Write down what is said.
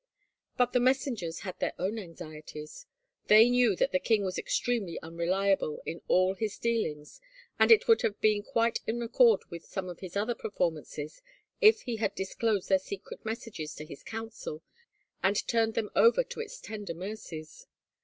But the messengers had their own anxieties. They knew that the king was extremely unreliable in all his dealings and it would have been quite in accord with some of his other performances if he had disclosed their secret messages to his council and turned them over to its tender mercies.